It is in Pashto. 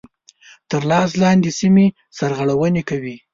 تر لاس لاندي سیمي سرغړوني کوي.